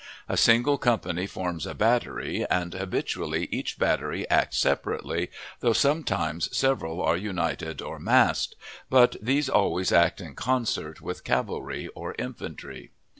A single company forms a battery, and habitually each battery acts separately, though sometimes several are united or "massed;" but these always act in concert with cavalry or infantry.